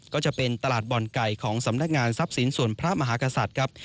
ก็จะเป็นตลาดบ่อนไก่ของสำนักงานทรัพย์สินส่วนพระมหากษัตริย์ครับ